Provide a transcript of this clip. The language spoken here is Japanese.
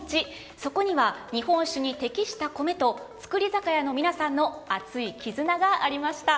そこには日本酒に適した米と造り酒屋の皆さんの熱い絆がありました。